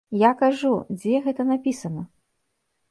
Я кажу, дзе гэта напісана?